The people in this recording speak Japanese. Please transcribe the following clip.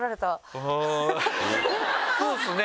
そうですね